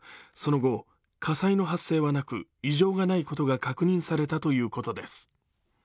その後、火災の発生はなく異常がないことが確認されたということです。